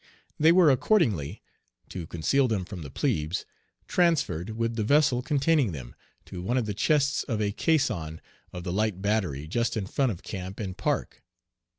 They were accordingly to conceal them from the plebes transferred, with the vessel containing them, to one of the chests of a caisson of the light battery, just in front of camp in park.